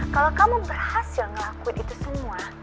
kalau kamu berhasil ngelakuin itu semua